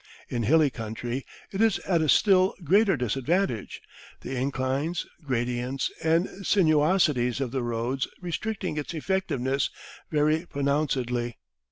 In hilly country it is at a still greater disadvantage, the inclines, gradients, and sinuosities of the roads restricting its effectiveness very pronouncedly.